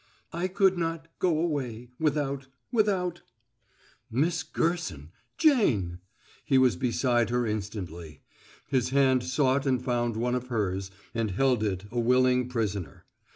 "I could not go away without without " "Miss Gerson Jane!" He was beside her instantly. His hand sought and found one of hers and held it a willing prisoner.